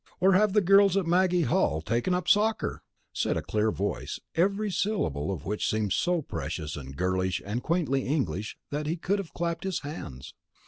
Or have the girls at Maggie Hall taken up soccer?" said a clear voice, every syllable of which seemed so precious and girlish and quaintly English that he could have clapped his hands.